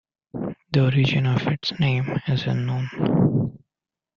The origin of its name is unknown.